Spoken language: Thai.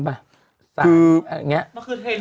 มีสารตั้งต้นเนี่ยคือยาเคเนี่ยใช่ไหมคะ